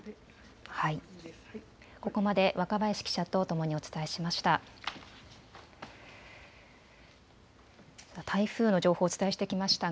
ここまで若林記者とお伝えしました。